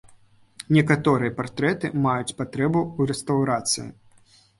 Некаторыя партрэты маюць патрэбу ў рэстаўрацыі.